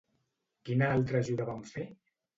Quina altra ajuda van fer?